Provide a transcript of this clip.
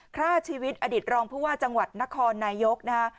ฆ่าชีวิตอดีตรองผู้ว่าจังหวัดนครนายกนะฮะ